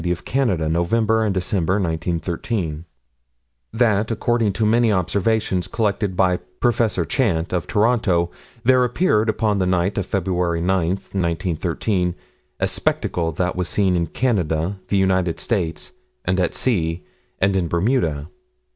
of Canada_, November and December, 1913: That, according to many observations collected by Prof. Chant, of Toronto, there appeared, upon the night of Feb. 9, 1913, a spectacle that was seen in Canada, the United States, and at sea, and in Bermuda.